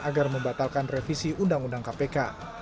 agar membatalkan revisi undang undang kpk